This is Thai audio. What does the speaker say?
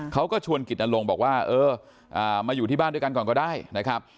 เขาก็ชวนกิจนลงบอกว่าเออมาอยู่ที่บ้านด้วยกันก่อนก็ได้นะครับ